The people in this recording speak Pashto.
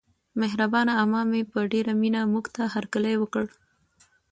مهربانه عمه مې په ډېره مینه موږته هرکلی وکړ.